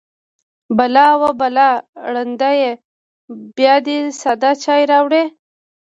_بلا! وه بلا! ړنده يې! بيا دې ساده چای راوړی.